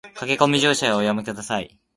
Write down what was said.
駆け込み乗車はおやめ下さい